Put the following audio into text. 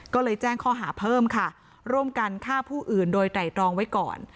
ก็เลยแจ้งข้อหาเพิ่มค่ะร่วมกันฆ่าผู้อื่นโดยไตรตรองไว้ก่อน